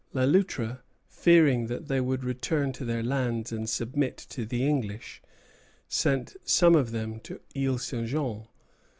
Le Loutre, fearing that they would return to their lands and submit to the English, sent some of them to Isle St. Jean.